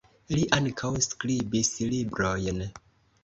Li ankaŭ skribis librojn.